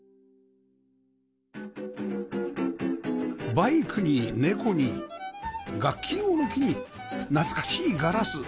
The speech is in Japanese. バイクに猫に楽器用の木に懐かしいガラス